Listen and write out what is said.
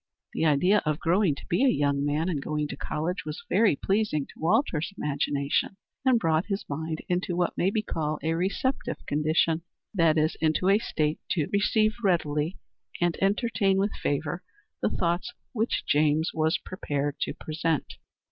The idea of growing to be a young man and going to college was very pleasing to Walter's imagination, and brought his mind into what may be called a receptive condition that is, into a state to receive readily, and entertain with favor, the thoughts which James was prepared to present.